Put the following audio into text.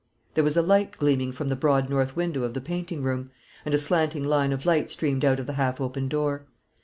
There was a light gleaming from the broad north window of the painting room, and a slanting line of light streamed out of the half open door.